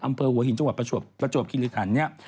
อำเภอหัวหินจังหวัดประจวบคิริคันเนี่ย